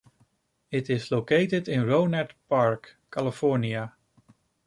It is located in Rohnert Park, California.